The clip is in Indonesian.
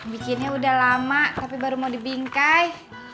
bikinnya udah lama tapi baru mau dibingkai